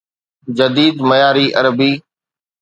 جديد معياري عربي